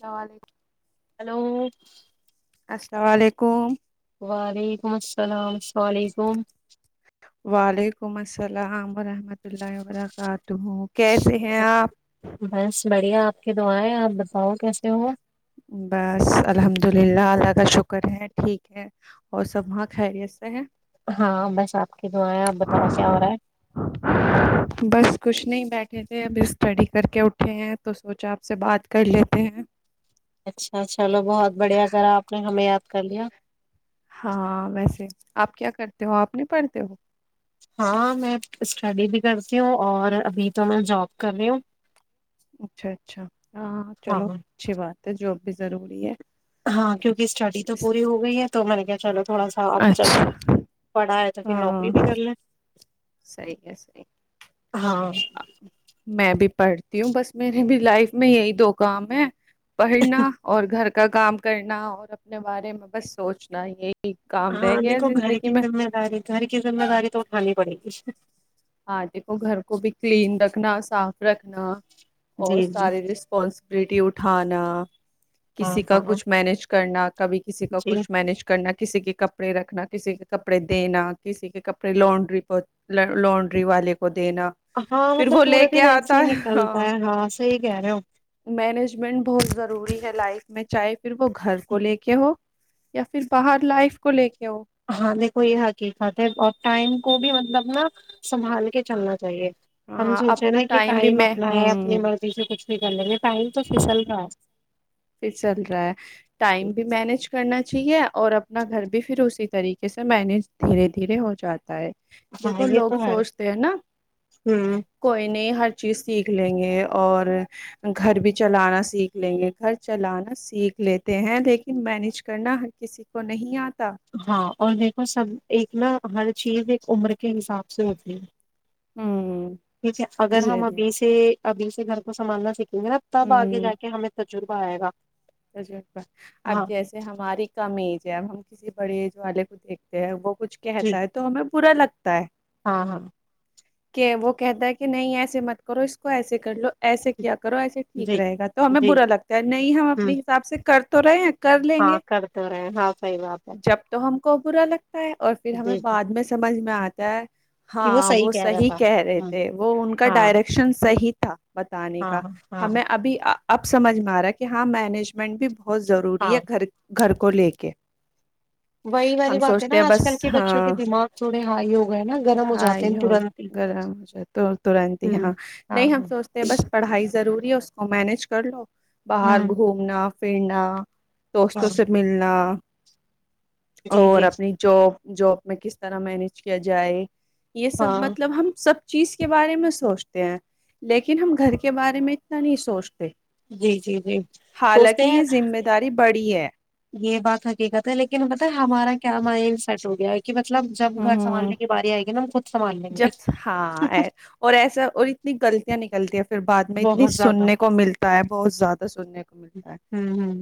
السلام علیکم ہلو السلام علیکم [unintelligible] وعلیکم السلام ورحمۃ اللہ وبرکاتہ کیسے ہیں آپ بس بڑھیا آپ کے دعیں آپ بتاؤ کیسے ہو بس الحمد للہ اللہ کا شکر ہے ٹھیک ہے اور سب وہاں خیریت سے ہے ہاں بس آپ کی دعائیں ہیں آپ بتاؤ کیا ہو رہا ہے بس کچھ نہیں بیٹھے تھے اب اسٹڈی کر کے اٹھے ہیں تو سوچا آپ سے بات کر لیتے ہیں اچھا چلو بہت بڑھیا کرا آپ نے ہمیں کرلیا ہاں ویسے آپ کیا کرتے ہو آپ نے پڑھتے ہو ہاں میں اسٹڈی بھی کرتی ہوں اور ابھی تو میں جاب کر رہی ہوں اچھا اچھا ہاں چلو اچھی بات ہے جو بھی ضروری ہے ہاں کیونکہ اسٹڈی تو اس- پوری ہو گئی ہے تو میں نے کیا چلو تھوڑا سا اب جب اچھا پڑھا ہے تو پھر نوکری بھی ہاں کر لیں صحیح ہے صحیح ہاں میں بھی پڑھتی ہوں بس میرری بھی لائف میں یہی دو کام ہے پڑنا اور گھر کا کام کرنا اور اپنے بارے میں بس سوچنا یہی کام رہ ہاں گیا دیکھو گھر زندگی کی میں ذمہ داری گھر کی ذمہ داری تو اٹھانی پڑے گی ہاں دیکھو گھر کو بھی کلین رکھنا صاف رکھنا اور جی جی سارے رسپانس بلٹی اٹھانا ہاں کسی کا ہاں کچھ مینج کرنا کبھی کسی کا جی کچھ مینج کرنا کسی کے کپ کڑے رکھنا کسی کے کپڑے دینا کسی کے کپڑے لونڈری پہ لڈ والے کو ہاں مطلب لے پورے کے دن ایسے آتا ہی ہے نکلتا ہے ہاں صحیح کہہ رہے ہو مینجمنٹ بہت ضروری ہے لائف میں چاہے پھر وہ گھر کو لے کے ہو یا پھر باہر لائف کو لے کے ہو ہاں دیکھو یہ حقیقتات ہے اور ٹائم کو بھی مطلب نا سنبھال کے چلنا چاہیے ہم ہاں سوچے اپنا نا کہ بھی ٹائم میں اپنا ہے اپنی ہوں مرضی سے کچھ بھی کر لیں گے ٹائم تو پھسل رہا ہے پھر چل رہا ہے ٹائم بھی مینج کرنا چاہیے اور اپنا گھر بھی پھر اسی طریقے سے مینیج دھیرے دھیرے ہو جاتا ہے ہاں دیکھو یہ لوگ تو سوچتے ہے نا ہوں کوئی نہیں ہر چیز سیکھ لیں گے اور گھر بھی چلانا سیکھ لیں گے گھر چلانا سیکھ لیتے ہیں لیکن مینج کرنا ہر کسی کو نہیں آتا ہاں اور میری کو سب ایک نہ ہم چیز ایک عمر کے حساب سے ہوتی ہے ہممم ٹھیک ہے اگر ہم ابھی سے ابھی گھر کو سنھالنا سیکھ [unintelligible] گے نہ تب آگے ہ جا کے ہمیں سے تجربہ آئے گا تجربہ اب ہاں جیسے ہماری کمیز جب ہم کسی بڑے جو والے کو دیکھتے ہیں وہ کچھ جی کہتا ہے تو ہمیں [unintelligible] پا لگتا ہے [unintelligible] ہاں ہاں [unintelligible] کہ وہ کہتا ہے کہ نہیں ایسے مت کرو اس کو ایسے کر لو ایسے کیا کرو ایسے ٹھیک جی رہےا تو ہمیں جی برا لگتا ہے نہیں ہم [unintelligible] ہوں اپنے حساب سے کر [unintelligible] تو رہ [unintelligible] ہاں کرتے رہے ہیں ہاں فائی واپ کبورا ل [unintelligible] اور پھر ہمیں بعد میں سمجھ میں آتا [unintelligible] [unintelligible] کہ ہاں صحیح وہ رہا صحی تھا کہہ رہے ہاں تھے وہ ان کا ہاں ڈائریکشن صحی تھا بتانے ہاں کا ہاں ہمیں ابھی اب سمجھ میں آ رہا ہے کہ ہاں میں [unintelligible] مجمنٹ بھی ب [unintelligible] بہت ضروری ہاں ہے گھر گھر کولی کے وہی والی ہم بات ہے سوچتے نا ہیں آج کل بس کے بچوں کے ہاں دماغ تھوڑے ہائی ہو گئے نا گرم ہو جاتے ہیں ہی ہو ترنت ہی گر مھے تو ترنت ہی ہوں ہاں ہاں نہیں ہم ہوں سوچتے ہیں بس پڑھائی ضرور اس کو مینج کر لو باہر ہاں نا پھرنا دوستوں سے ملنا جی اور جی اپنی جو جاب میں کس طرح مینج کیا جائے یہ سب ہاں مطلب ہم سب چیز کے بارے میں سوچتے ہیں لیکن ہم گھر کے بارے میں اتنا نہیں سوچتے جی جی جی سوچتے حالانکہ ہیں یہ ذمہ داری پڑھی ہے یہ بات حقیقت ہے لیکن بتہے ہمارا کیا مائنڈ سیٹ ہو گیا ہے کہ مطلب جب ہ گھر سنبھالنے کی باری آئے گی نا ہم خود سنبھال لیں گے جب ہاں اور ایسا اور اتنی غلطیاں نہیں چلتی ہے پھر بعد میں اتنی بہت زیادہ سننے کو ملتا ہے بہت زیادہ سننے کو ملتا ہے ہوں ہوں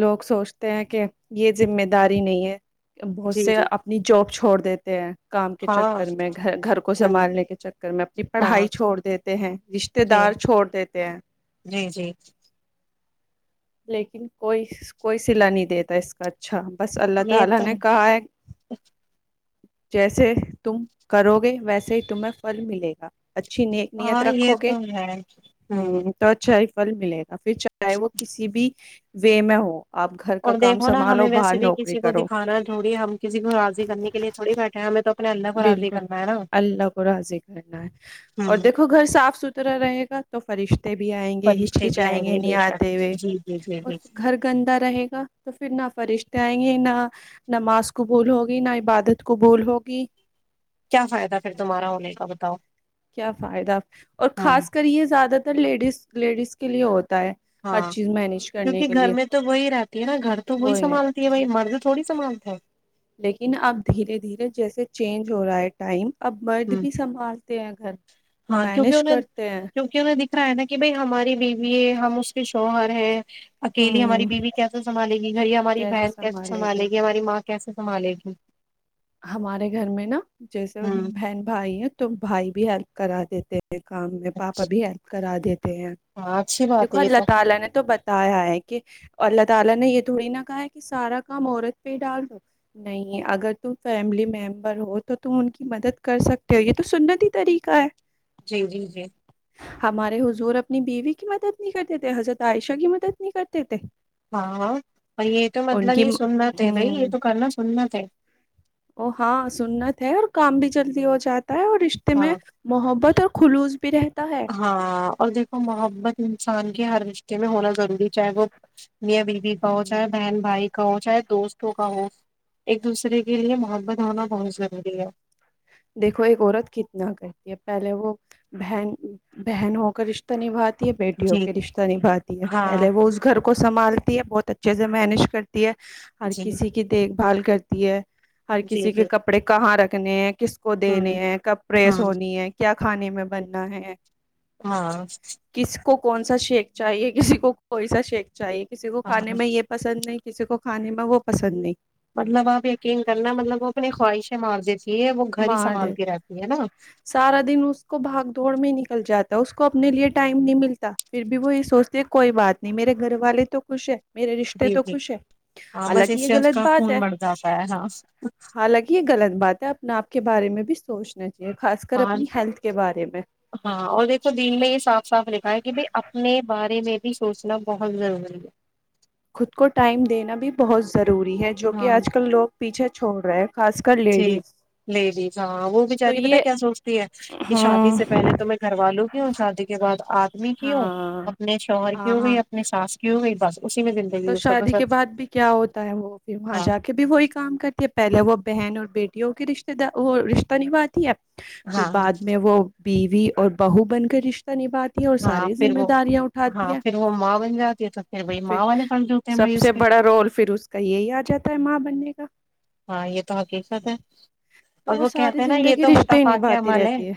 لوگ سوچتے ہیں کہ یہ ذمہ داری نہیں ہے بہت جی سے جی اپنی جاب چھوڑ دیتے [inaudible] کام کے ہاں چکر میں گ گھر کو ہوں سنبھالنے کے چکر میں اپنی ہاں پڑھائی چھوڑ دیتے ہیں رشتے جی دار چھوڑ دیتے ہیں جی جی لیکن کوئی کوئی سلا نہیں دیتا اس کا اچھا بس اللہ یہ تعالی تو نے کہا ہے جیسے تم کرو گے ویسے ہی تمہیں فھل ملے گا اچھی ن نیت ہاں یہ رکھو گے تو ہے ہوں تو اچھا پھل ملے گا پھر چاہے وہ کسی بھی وے میں ہو آپ گھر کا اور کام دیکھو نا سنبھالو ہمیں باہر ویسے بھی نوکری کسی کو کرو دکھانا ہے تھوڑی ہم کسی کو راضی کرنے کے لیے تھوڑی بیٹھے ہیں ہمیں تو اپنے اللہ کو راضی بالکل کرنا ہے نا اللہ کو راضی کرنا ہے اور ہوں دیکھو گھر صاف ستھرا رہے گا تو فرشتہ بھی آئیں گے ہچ فرشتے کچ بھی آئیں گے نہیں بے آتے شک ہوئے جی جی جی اور جی گھر گندا رہے گا تو پھر نا فرشتے آئیں گے نہ نماز کو بول ہوگی نہ عبادت کو بول ہوگی کیا فائدہ پھر تمہارا ہونے کا بتاؤ کیا فائدہ اور ہاں خاص کر یہ زیادہ تو لیڈیز لیڈز کے لیے ہوت ہاں کیونکہ گھر میں تو وہی رہتی ہے نا گھر تو وہی سنبھالتی ہے بھائی مرض تھوڑی سمانت ہے لیکن اب دھیرے دھیرے جیسے چینج ہو رہا ہے ٹائم اببرد ہوں کی سمھال تے ہیں گھر ہاں کیونکہ مینج ان نے کرتے ہیں کیونکہ ان نے رہا ہے نا کہ بھائی ہماری بیوی ہے ہم اس کے شوہر ہیں اکیلی ہماری ہوں بیوی کیسے سنبھالے گی گڑی ہماری بہن کیسے سنبھالے گی ہماری ماں کیسے سنبھالے گی ہمارے گھر میں نا جیسے ہوں بہن بھائی ہیں تو بھائی بھی ہیلپ کرا دیتے ہیں کام میں پاپا بھی ہیلپ کرا دتے ہاں اچھی بات ہے یہ اللہ تو تعالی نے تو بتایا ہے کہ تعالی نے یہ تھوڑی نہ کہا ہے کہ سارا کام عورت پہ ڈال دو نہیں اگر تم فیملی ممبر ہو تو تم ان کی مدد کر سکتے ہو یہ تو سنتی طریقہ ہے جی جی جی ہمارے حضور اپنی بیوی کی مدد نہیں کرتے تھے حضرت عائشہ کی مدد نہیں کرتے تھے ہاں یہ تو ان مطلب کی یہ م... سننا تھے بھائی یہ ہوں تو کرنا سننا تھے ہاں سنت ہے اور کام بھی جلدی ہو جاتا اور رشتے میں ہاں محبت اور خلوص بھی رہتے ہاں اور دیکھو محبت انسان کہ ہر رشتے میں ہونا ضروری ہے چاہے وہ میا بیوی بہت ہ چاہ بہن بھائی کا ہو چاہے دوستوں کا ہو ایک دوسرے کے لیے محبت ہونا بہت ضروری ہے دیکھو ایک عورت کتنا کرتی ہے پہلے وہ بہن بہن ہو کر رشتہ نبھاتی بیٹیوں جی کے رشتہ نبھاتی ہے ہاں پہلے وہ اس گھر کو کو سنبالتی ہے بہت اچھے سے مینیج کرتی ہے ہر جی کسی کی دیکھ بھال کرتی ہے ہر جی کسی کے جی کپڑے کہاں رکھ نے کو دینے ہوں ہیں کب پریس ہاں ہونی ہے کیا کھانے میں بننا ہے ہاں کس کو کون سا شیک چاہیے کسی کو کوئی سا شیک چاہیے کسی کو کھے ہاں میں یہ پسند نہیں کسی کو کھانے میں وہ پسند نہیں مطلب آپ یقین کرنا مطلب وہ اپنی خواہشیں مار دی تھے مار دیتے سارا دن اس کو بھاگ دوڑ میں نکل جاتا اس کو اپنے لیے ٹائم نہیں ملتا پھر بھی وہ یہ سوچتے کوئی بات نہیں میرے گھر والے تو خوش ہے میرے رشتے جی تو جی خوش ہے ہاں بس حالانکہ اس یہ سے اس غلط کا بات خون ہے بڑھ جاتا ہے ہاں حالانکہ یہ غلط بات ہے ناپ کے بارے میں بھی سوچنے ہاں ہاں اور دیکھو دل میں یہ صاف صاف لکھا ہے کہ بھ اپنے بارے میں بھی سوچنا بہت ضروری ہے خود کو ٹائم دینا بھی بہت ضروری ہے جو کہ آج کل لوگ پیچھے چھوڑ رہے ہیں خاص کر جی لیڈیز لیڈیز ہاں وہ تو بچاری بت یہ کیا سوچتی ہے کہ شادی ہاں سے پہلے تو میں گھر والوں کی ہوں شادی کے بعد آدمی کی ہوں ہاں اپنے شوہر کی ہو ہاں گئی اپنی ساس کی ہو گئی بس اسی میں تو زندگی سب شادی سب کے بعد بھی کیا ہوتا ہے وہ پھر وہاں ہاں جا کے بھی وہی کام کرتی ہے پہلے وہ بہن اور بیٹیوں کے رشتے دار رشتہ نبھاتی ہے پھر ہاں بعد میں وہ بیوی اور بہو بن کر رشتے ہاں پھر وہ اٹھاتی ہاں ہے پھر وہ ماں بن جاتی ہے تو پھر وہی ماں والے فرض ہوتے ہیں سب بھائی اس سے کے بڑا رول پھر اس کا یہی آ جاتا ہے ماں بننے کا ہاں یہ تو حقیقت ہے تو اور وہ کہتے ساری ہیں نا یہ زندگی تو رشتے ہی متفع کے نبھاتی عمل ہے رہتی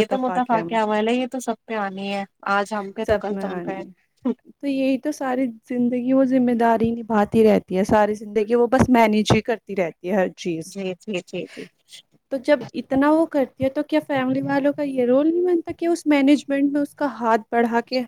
یہ تو متفاعق میں عمل ہے یہ تو سب پہ آنی ہے آج ہم پہ تو سب کل میں تم پہ ہے آنی تو یہی تو ساری زندگی وہ ذمہ داری نبھاتی رہتی ہے ساری زندگی وہ بس مینیج ہی کرتی رہتی ہے ہر چیز جی جی جی جی تو جب اتنا وہ کرتی ہے تو کیا فیملی والوں کا یہ رول نہیں بنتا کہ اس مینجمنٹ میں اس کا ہاتھ بڑھا کے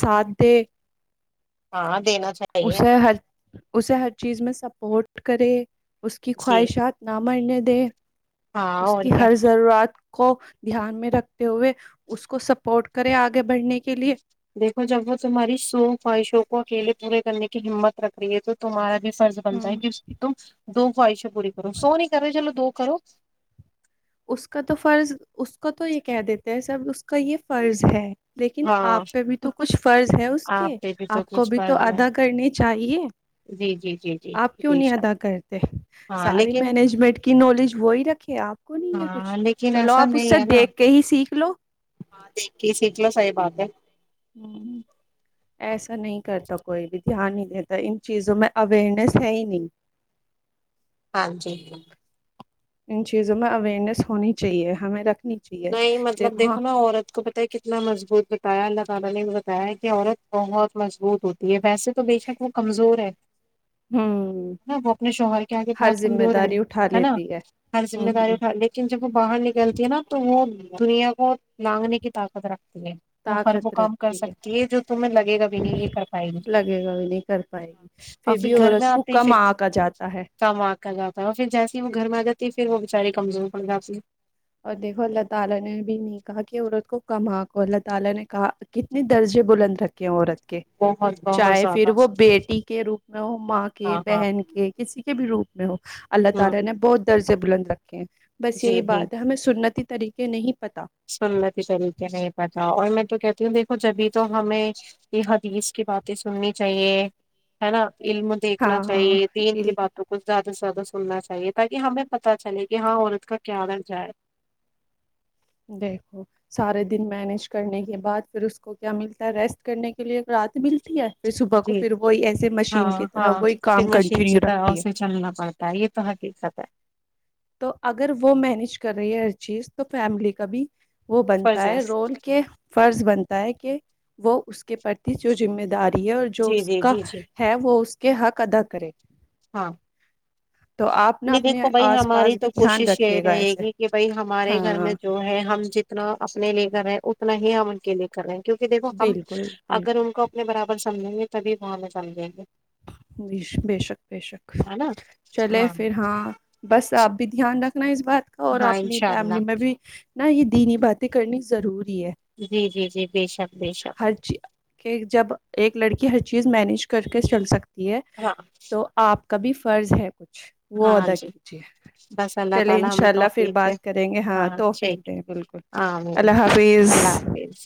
ساتھ دے ہاں دینا چاہیے اسے ہر اسے ہر چیز میں سپورٹ کرے اس کی جی خواہشات نہ منی د ہاں اس اور کی کیا ہر ضرورت کو دھیان میں رکھتے ہوئے اس کو سپورٹ کرے آگے بڑھنے کے لیے دیکو جب وہ تمہاری سو خواہشوں کو اکیلے پورے کرنے کی ہمت رکھ رہی ہے تو تمہارا بھی فرض بنتا ہے ہوں کہ اس کی تو دو ہوائی شک بوری کرو سو نہیں کر رہ چل دو کرو اس کا تو فرض اس کو تو یہ کہہ دیتے ہیں سب اس کا یہ فرض ہے لیکن ہاں آپ پہ بھی تو کچھ فرض ہے اس آپ کے پہ بھی تو آپ کو کچھ بھی پڑ تو گیا ادا کرنے چاہیے جی جی جی جی آپ کیوں جی نہیں شا ادا کرتے ہاں سارے لیکن مینجمنٹ کی نالج وہی رکھے آپ کو نہیں ہے ہاں کچھ لیکن چلو ایسا آپ اس نہیں سے ہے نا دیکھ کے ہی سیکھ لو ہاں د کل صاحب آات ہے ہوں، ایسا نہیں کرتا کوئی بھی دھیان نہیں دیتا ان چیزوں میں اورنیس ہے ہی نہیں ہاں جی ان چیزوں میں اوئیرنیس ہونی چاہیے ہمیں رکھنی چاہیے نہیں مطلب ہاں دیکھو نا عورت کو پتا ہے کتنا مضبوط بتایا الگ س ہے کہ ہوں عورت بہت مضبوط ہوتی ہے ویسے تو بے شک وہ کمزور ہے ہوں، ا وہ اپنے شوہر کے آگے ہر بہت ذمہ کمزور ہے داری اٹھا ہے نا لیتی ہر ہ ذمہ داری ہ اٹھا لیکن جب وہ باہر نکلتی ہے نا وہ دنیا کو لانگنے کی طاقت رکھ وہ ہر وہ طاقت کام کر رکھتی سکتی ہے جو تمہیں لگے گا بھی نہیں یہ کر پائے گی لگے گا بھی نہیں کر پائے گی اور پھر بھی گھر میں عورت کو آتے ہی کم پھر آنکا جاتا ہے کام آ کر جاتا ہے پھر جیسے ہی میں گھر میں آ جاتی پھر وہ بچارے کمزور پڑ گا اپنے [inaudible] کے بہت بہت چاہے زیادہ پھر وہ بیٹی کے روپ میں وہ ماں کے ہاں ہاں بہن کے کسی کے بھی روپ ب [unintelligible] اللہ ہوں تعالی نے بہت درج سےب بلند ت [unintelligible] بس یہی جی بات [unintelligible] ہمیں سنتی طریقے نہیں پتا سننے کے طریقے نہیں پتا اور میں تو کہتی ہوں دیکھو جبھی تو ہمیں یہ حدیث کی باتیں سننی چاہیے ہے نا علم دیکھنا ہاں ہاں چاہیے دین کی علم، باتوں کو زیادہ زیادہ سننا چاہیے تاکہ ہمیں پتہ چلے کہ ہاں عورت کا کیا درجہ ہے دیکھو سارے دن مینج کرنے کے بعد پھر اس کو کیا ملتا ہے ریسٹ کرنے کے لیے رات ملتی ہے پھر صبح کو جی پھر وہی ایسے ہاں مشین کی طرح ہاں وہی پھر کام مشین کی کنٹینیو رکھتی طرح ہے سے چلنا پڑتا ہے یہ تو حقیقت ہے تو اگر وہ مینج کر رہی ہے ہر چیز تو فیملی کا بھی وہ بنتا ہے رول کے فرض بنتا ہے کہ وہ اس کے پرتی جو ذمہ دار اور جو جی اس جی کا جی جی ہے وہ اس کے حق ادا کرے ہاں تو آپ نہ نہیں اپنے دیکھو بھائی آس ہماری پاس بھی تو دھیان کوشش یہی رکھیے گا رہے ایسے گی کہ بھائی ہمارے گھر ہاں میں جو ہے ہم جتنا اپنے لیے کر رہ ہے اتنا ہی ہم ان کے لیے کر رہے ہیں کیونکہ دیکھو ہم بالکل اگر ان بالکل کو اپنے برابر سے سمجھیں گے تبھی وہاں ہم سمجھیں گے بے شک بے شک ہے نا چلے ہاں پھر ہاں بس آپ بھی دھیان رکھ نہیں بات کا اور ہاں اپنی انشاء اللہ فیملی میں بھی نہ یہ دین ہی بات کرنی ضرور ہے جی جی جی بے شک بے شک ہر چ کہ جب ایک لڑکی ہر چیز مینج کر کے چل سکتا ہے ہاں تو آپ کبھی فرض ہے کچھ وہ ہاں ادا جی کیجیے بس اللہ چلے تعالی ہمیں انشاء اللہ پھر توفیق دے بات کریں گے ہاں توفیک ٹھیک دیں ہے بالکل آمین اللہ ٹھیک ہے حافظ اللہ حافظ